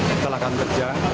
setelah akan kerja